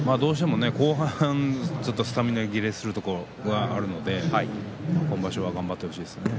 後半スタミナ切れするところがあるので今場所頑張ってほしいですね。